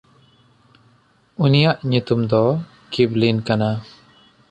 ᱩᱱᱤᱭᱟᱜ ᱧᱩᱛᱩᱢ ᱫᱚ ᱠᱤᱵᱞᱤᱱ ᱠᱟᱱᱟ᱾